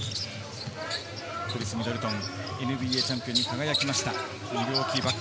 クリス・ミドルトン、ＮＢＡチャンピオンに輝きました。